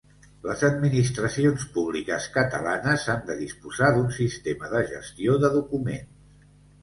Les administracions públiques catalanes han de disposar d'un sistema de gestió de documents.